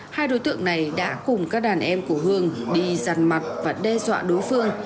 hai đối tượng này đã cùng các đàn em của hương đi dàn mặt và đe dọa đối phương